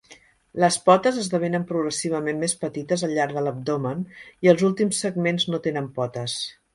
Les potes esdevenen progressivament més petites al llarg de l'abdomen i els últims segments no tenen potes.